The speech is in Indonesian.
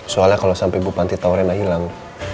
soalnya kalau sampai ibu panti tau rina hilang